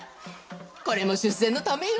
これも出世のためよ。